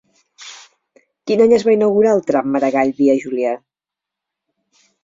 Quin any es va inaugurar el tram Maragall - Via Júlia?